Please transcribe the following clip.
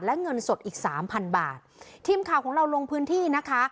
และเงินสดอีกสามพันบาททีมข่าวของเราลงพื้นที่นะคะ